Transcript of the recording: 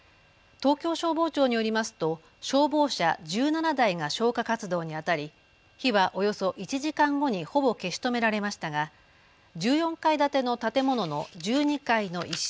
東京消防庁によりますと消防車１７台が消火活動にあたり火はおよそ１時間後にほぼ消し止められましたが１４階建ての建物の１２階の一室